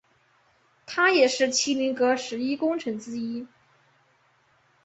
他也是麒麟阁十一功臣之一。